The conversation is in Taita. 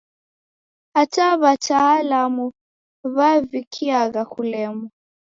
Hata w'atalamu w'avikiagha kulemwa.